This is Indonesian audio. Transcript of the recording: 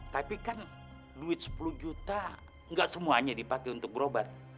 tapi kan duit sepuluh juta nggak semuanya dipakai untuk berobat